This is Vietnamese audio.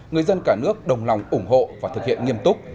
người dân cả nước đồng lòng ủng hộ và thực hiện nghiêm túc